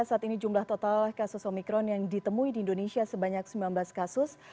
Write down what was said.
saat ini jumlah total kasus omikron yang ditemui di indonesia sebanyak sembilan belas kasus